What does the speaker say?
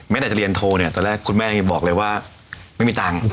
ตั้งแต่จะเรียนโทรเนี่ยตอนแรกคุณแม่ยังบอกเลยว่าไม่มีตังค์